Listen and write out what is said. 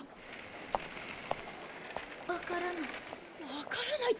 わからない。